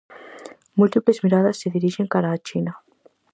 Múltiples miradas se dirixen cara á China.